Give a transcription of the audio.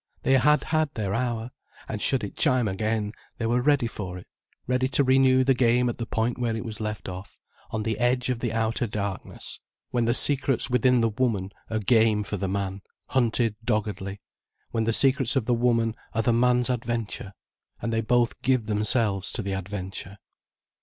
They had had their hour, and should it chime again, they were ready for it, ready to renew the game at the point where it was left off, on the edge of the outer darkness, when the secrets within the woman are game for the man, hunted doggedly, when the secrets of the woman are the man's adventure, and they both give themselves to the adventure.